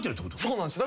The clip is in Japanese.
そうなんです。